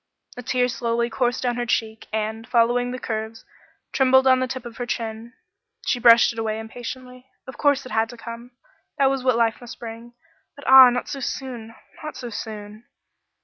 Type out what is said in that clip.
A tear slowly coursed down her cheek, and, following the curves, trembled on the tip of her chin. She brushed it away impatiently. Of course it had to come that was what life must bring but ah! not so soon not so soon.